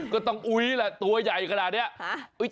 ก็ต้องอุ๊ยแหละตัวใหญ่ขนาดนี้